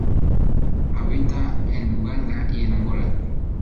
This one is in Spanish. Habita en Uganda y en Angola.